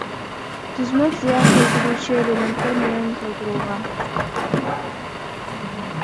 Түзмөк зыян келтирүүчү элементтер менен толтурулган.